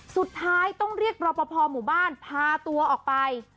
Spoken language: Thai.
สุดท้ายต้องเรียกรอปภหมู่บ้านพาตัวออกไป